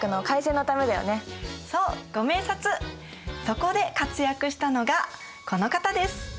そこで活躍したのがこの方です。